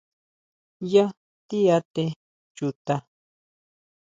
¿Yá tíʼate chuta?